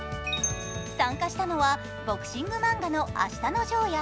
参加したのはボクシング漫画の「あしたのジョー」や